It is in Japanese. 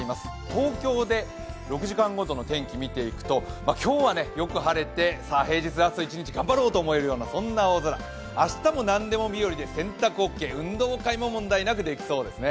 東京で６時間ごとの天気見ていくと、今日はよく晴れて、平日ラスト一日頑張ろうと思えるような青空、明日もなんでも日和で洗濯もオッケー運動会も問題なくできそうですね。